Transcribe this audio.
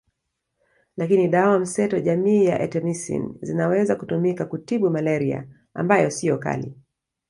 Lakini dawa mseto jamii ya Artemisin zinaweza kutumika kutibu malaria ambayo siyo kali